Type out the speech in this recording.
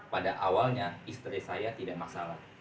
pada awalnya istri saya tidak masalah